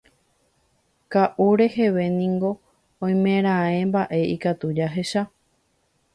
Ka'u reheve niko oimeraẽ mba'e ikatu jahecha.